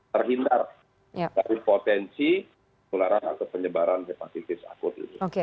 terhindar dari potensi penularan atau penyebaran hepatitis akut ini